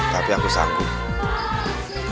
tapi aku sanggup